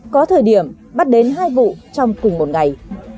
có thời điểm bắt đến hai vụ trong cùng một ngày